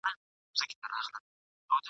جهاني، غزل ، کتاب وي ستا مستي وي ستا شباب وي !.